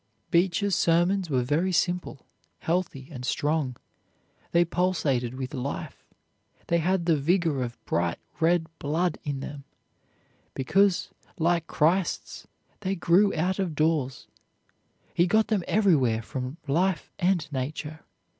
Beecher's sermons were very simple, healthy, and strong. They pulsated with life; they had the vigor of bright red blood in them, because, like Christ's, they grew out of doors. He got them everywhere from life and nature.